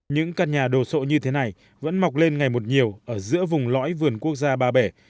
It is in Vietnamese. những căn nhà đồ sộ như thế này vẫn mọc lên ngày một nhiều ở giữa vùng lõi vườn quốc gia ba bể